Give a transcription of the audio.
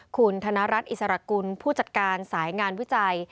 คุณธนรัฐอิสรกุลผู้จัดการสายงานวิจัย